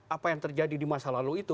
apa yang terjadi di masa lalu itu